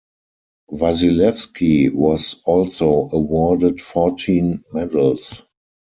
Vasilevsky was also awarded fourteen medals.